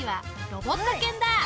ロボット犬。